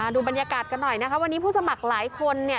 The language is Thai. ดูบรรยากาศกันหน่อยนะคะวันนี้ผู้สมัครหลายคน